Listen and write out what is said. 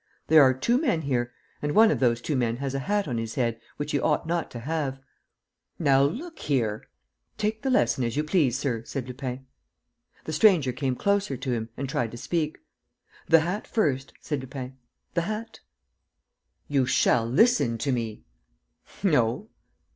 There are two men here; and one of those two men has a hat on his head, which he ought not to have." "Now look here ..." "Take the lesson as you please, sir," said Lupin. The stranger came closer to him and tried to speak. "The hat first," said Lupin, "the hat. ..." "You shall listen to me!" "No."